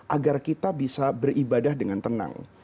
agar kita bisa beribadah dengan tenang